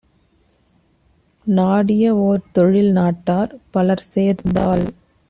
நாடிய ஓர்தொழில் நாட்டார் பலர்சேர்ந்தால்